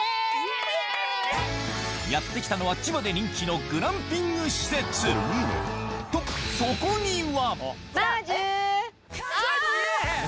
やって来たのは、千葉で人気のグランピング施設。と、そこには。